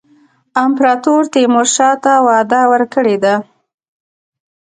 امپراطور تیمورشاه ته وعده ورکړې ده.